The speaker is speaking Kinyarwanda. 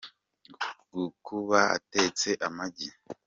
gakuba atetse amagi.